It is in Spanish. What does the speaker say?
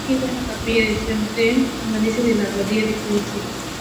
Fue erigida en la capilla de Saint-Jean-Baptiste de la abadía de Císter.